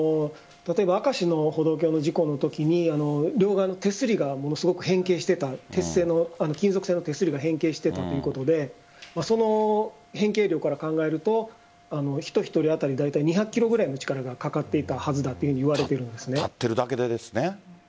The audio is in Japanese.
明石の歩道橋の事故のときに両側の手すりがものすごく変形していた金属製の手すりが変形していたということでその変形力から考えると人１人当たり、だいたい２００ｋｇくらいの力がかかっていたはずだと立っているだけでですね？